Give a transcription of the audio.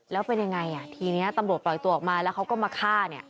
แล้วเป็นยังไงทีนี้ตำรวจปล่อยตัวออกมาแล้วเขาก็มาฆ่าเนี่ย